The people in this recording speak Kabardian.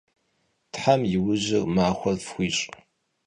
Тхьэм и ужьыр махуэ фхуищӏ.